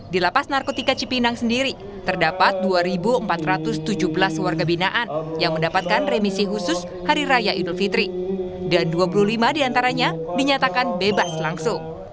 di lapas narkotika cipinang sendiri terdapat dua empat ratus tujuh belas warga binaan yang mendapatkan remisi khusus hari raya idul fitri dan dua puluh lima diantaranya dinyatakan bebas langsung